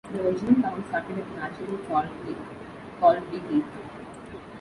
The original town started at a natural salt lick called Big Lick.